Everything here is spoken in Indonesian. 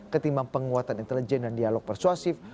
ketimbang penguatan intelijen dan dialog persuasif